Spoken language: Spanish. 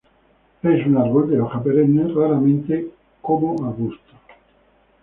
Es un árbol de hoja perenne, raramente como arbusto.